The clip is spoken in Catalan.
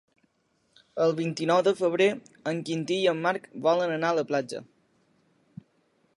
El vint-i-nou de febrer en Quintí i en Marc volen anar a la platja.